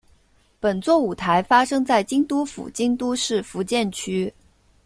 本作舞台发生在京都府京都市伏见区。